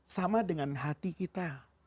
sama dengan hati kita